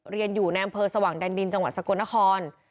เรียนอยู่ในอำเภอสว่างแดนดินจังหวัดสกลนคร